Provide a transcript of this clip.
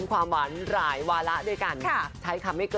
วาระต่อมา